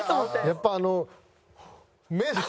やっぱあの目の。